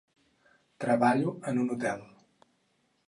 Treballo en un hotel.